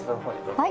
はい。